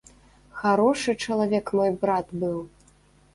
Харошы чалавек мой брат быў.